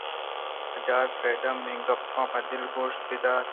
بچار فریڈا !منی گپاں پہ دل گوش بہ دار